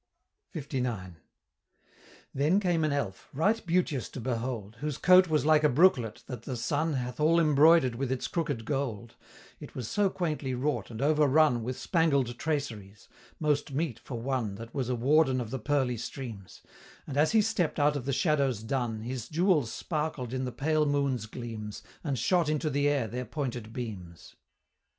LIX. Then came an elf, right beauteous to behold, Whose coat was like a brooklet that the sun Hath all embroider'd with its crooked gold, It was so quaintly wrought and overrun With spangled traceries, most meet for one That was a warden of the pearly streams; And as he stept out of the shadows dun, His jewels sparkled in the pale moon's gleams, And shot into the air their pointed beams.